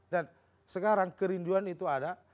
dan sekarang kerinduan itu ada